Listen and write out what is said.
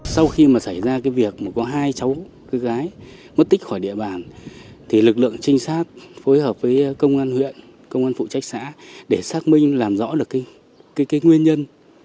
sau khi mà xảy ra cái việc mà có hai cháu cô gái mất tích khỏi địa bàn thì lực lượng trinh sát phối hợp với công an huyện công an phụ trách xã để xác minh làm rõ được cái nguyên nhân